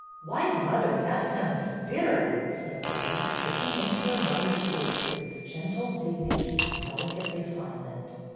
" Why, mother, that sounds bitter," said Betty, looking into her mother's face, with its gentle dignity and delicate refinement.